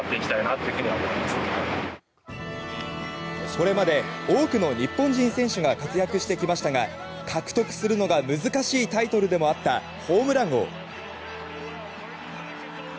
これまで多くの日本人選手が活躍してきましたが獲得するのが難しいタイトルでもあったホームラン王。